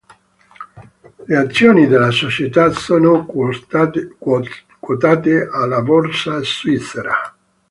Le azioni della società sono quotate alla Borsa Svizzera.